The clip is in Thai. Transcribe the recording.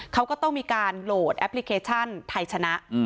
เขาก็ต้องมีการโหลดแอปพลิเคชันไทยชนะ